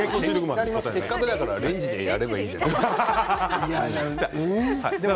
せっかくだからレンジでやればいいじゃない。